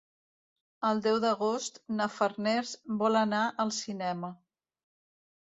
El deu d'agost na Farners vol anar al cinema.